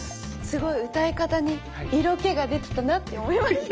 すごい歌い方に色気が出てたなって思いました。